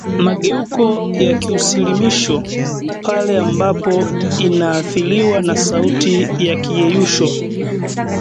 mageuko ya kiusilimisho pale ambapo inaathiriwa na sauti ya kiyeyusho